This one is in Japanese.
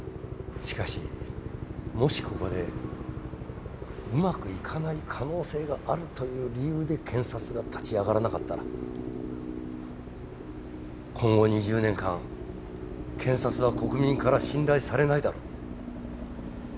しかしもしここでうまくいかない可能性があるという理由で検察が立ち上がらなかったら今後２０年間検察は国民から信頼されないだろう。